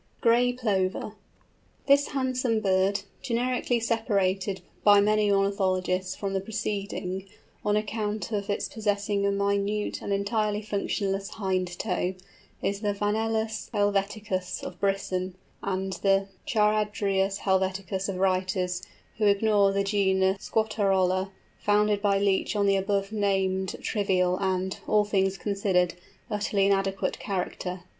GRAY PLOVER. This handsome bird, generically separated by many ornithologists from the preceding, on account of its possessing a minute and entirely functionless hind toe, is the Vanellus helveticus of Brisson, and the Charadrius helveticus of writers who ignore the genus Squatarola, founded by Leach on the above named trivial and, all things considered, utterly inadequate character.